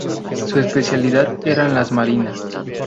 Su especialidad eran las marinas.